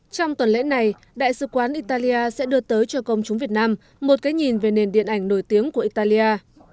trong tuần lễ này đại sứ quán italia sẽ đưa tới cho công chúng việt nam một cái nhìn về nền điện ảnh nổi tiếng của italia